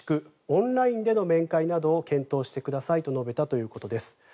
オンラインでの面会などを検討してくださいと述べたということです。